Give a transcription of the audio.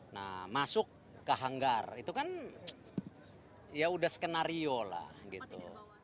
nah masuk ke hanggar itu kan ya udah skenario lah gitu